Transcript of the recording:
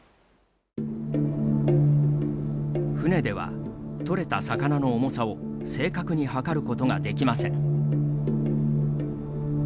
船では、捕れた魚の重さを正確に量ることができません。